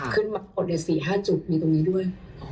ขึ้นมาคนใน๔๕จุดมีตรงนี้ด้วย